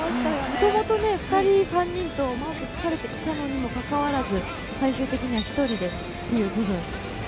もともと２人、３人とマークをつかれてきたのにも関わらず、最終的には１人で行ける部分。